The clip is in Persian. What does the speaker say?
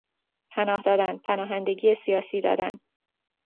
پناه دادن، پناهندگی سیاسی دادن